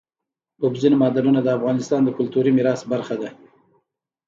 اوبزین معدنونه د افغانستان د کلتوري میراث برخه ده.